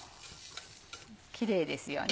キレイですよね。